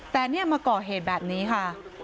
แต่เนี่ยมาก่อเหตุแบบนี้ค่ะ